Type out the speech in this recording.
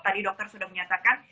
tadi dokter sudah menyatakan